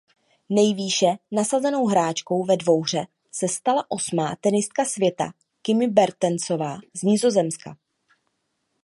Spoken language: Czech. Nejvýše nasazenou hráčkou ve dvouhře se stala osmá tenistka světa Kiki Bertensová z Nizozemska.